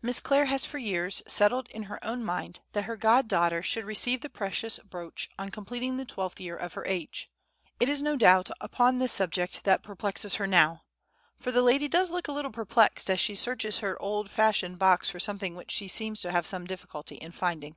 Miss Clare has for years settled in her own mind that her god daughter should receive the precious brooch on completing the twelfth year of her age; it is no doubt upon this subject that perplexes her now; (for the lady does look a little perplexed as she searches her old fashioned box for something which she seems to have some difficulty in finding).